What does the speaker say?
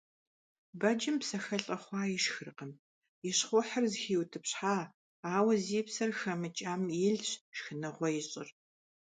Бэджым псэхэлIэ хъуа ишхыркъым, и щхъухьыр зыхиутIыпщхьа, ауэ зи псэр хэмыкIам илщ шхыныгъуэ ищIыр.